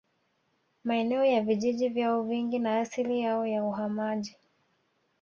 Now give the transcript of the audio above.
Maeneo ya vijiji vyao vingi na asili yao ya uhamaji